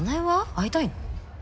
会いたいの？